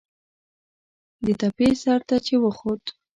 د تپې سر ته چې وخوت.